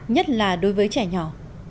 nhất là đối với trẻ nhỏ